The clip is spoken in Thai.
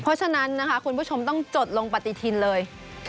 เพราะฉะนั้นนะคะคุณผู้ชมต้องจดลงปฏิทินเลย